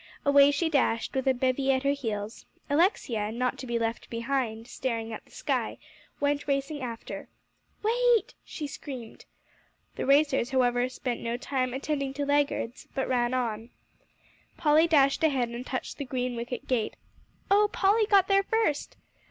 Away she dashed, with a bevy at her heels. Alexia, not to be left behind staring at the sky, went racing after. "Wait," she screamed. The racers, however, spent no time attending to laggards, but ran on. Polly dashed ahead, and touched the green wicket gate. "Oh, Polly got there first!"